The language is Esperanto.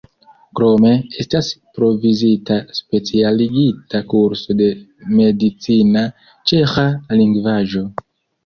Krome estas provizita specialigita kurso de medicina ĉeĥa lingvaĵo.